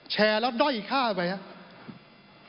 แชร์แล้วด้อยค่าไปฮะ